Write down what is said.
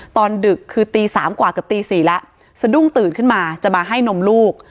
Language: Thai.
ดึกคือตี๓กว่าเกือบตี๔แล้วสะดุ้งตื่นขึ้นมาจะมาให้นมลูก